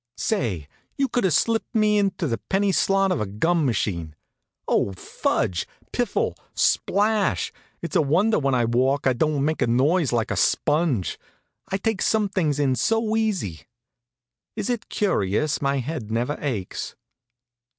Say, you could have slipped me into the penny slot of a gum machine. Oh, fudge! Piffle! Splash! It's a wonder when I walk I don't make a noise like a sponge I take some things in so easy. Is it curious my head never aches?